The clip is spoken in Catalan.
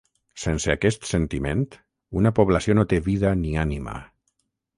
Sense aquest sentiment, una població no té vida ni ànima.